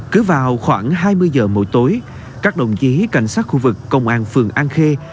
cứ vào khoảng hai mươi giờ mỗi tối các đồng chí cảnh sát khu vực công an phường an khê